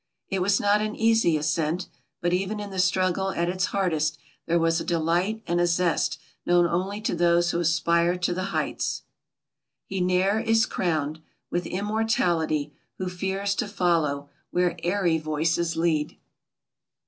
It was not an easy ascent, but even in the struggle at its hardest there was a delight and a zest known only to those who aspire to the heights. "He ne'er is crowned With immortality, who fears to follow Where airy voices lead."